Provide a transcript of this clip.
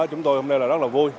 chúng tôi hôm nay rất là vui